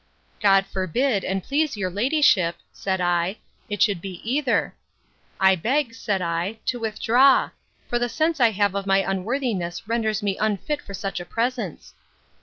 God forbid, and please your ladyship, said I, it should be either!—I beg, said I, to withdraw; for the sense I have of my unworthiness renders me unfit for such a presence.